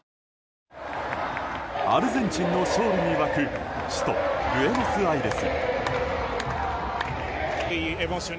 アルゼンチンの勝利に沸く首都ブエノスアイレス。